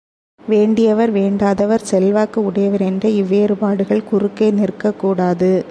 வேண்டியவர், வேண்டாதவர், செல்வாக்கு உடையவர் என்ற இவ் வேறுபாடுகள் குறுக்கே நிற்கக்கூடாது.